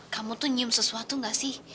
kamu tuh nyium sesuatu gak sih